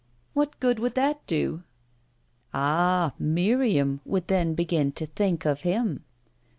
"What good would that do?" "Ah, Miriam would then begin to think of him."